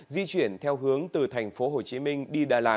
di chuyển theo hướng từ thành phố hồ chí minh đi đà lạt